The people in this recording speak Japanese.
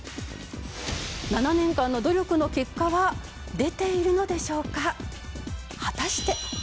７年間の努力の結果は出ているのでしょうか？